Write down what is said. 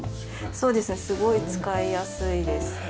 そうですねすごい使いやすいです。